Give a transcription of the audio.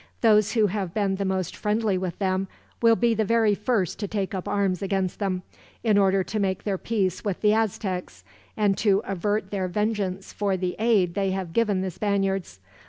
Those who have been the most friendly with them will be the very first to take up arms against them, in order to make their peace with the Aztecs, and to avert their vengeance for the aid they have given the Spaniards.